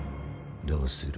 どうする？